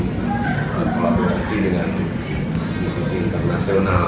berkolaborasi dengan musisi internasional